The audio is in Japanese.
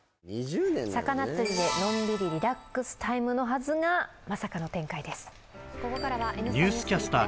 魚釣りでのんびりリラックスタイムのはずがまさかの展開です